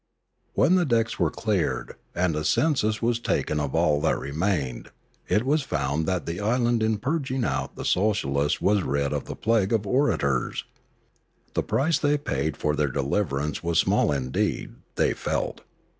When the decks were cleared, and a census was taken of all that remained, it was found that the island in purging out the socialists was rid of the plague of orators. The price they paid for their deliverance was small indeed, they felt.